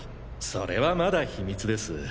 それはまだ秘密です。